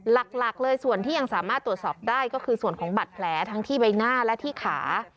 หลักเลยส่วนที่ยังสามารถตรวจสอบได้ก็คือส่วนของบัตรแผลทั้งที่ใบหน้าและที่ขา